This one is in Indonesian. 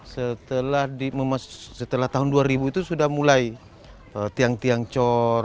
setelah tahun dua ribu itu sudah mulai tiang tiang cor